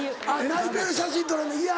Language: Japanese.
泣いてる写真撮られるの嫌で？